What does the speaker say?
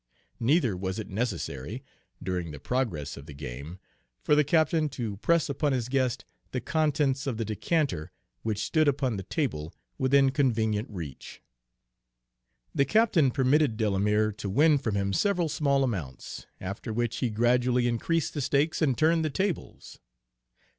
Neither was it necessary, during the progress of the game, for the captain to press upon his guest the contents of the decanter which stood upon the table within convenient reach. The captain permitted Delamere to win from him several small amounts, after which he gradually increased the stakes and turned the tables.